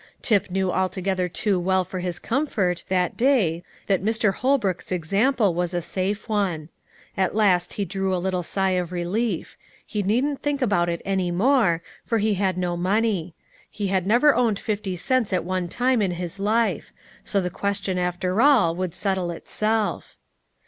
Tip knew altogether too well for his comfort, that day, that Mr. Holbrook's example was the safe one. At last he drew a little sigh of relief; he needn't think about it any more, for he had no money: he had never owned fifty cents at one time in his life; so the question, after all, would settle itself.